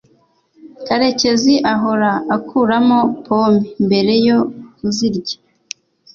karekezi ahora akuramo pome mbere yo kuzirya